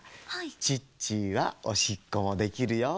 「チッチ」は「おしっこもできるよ」。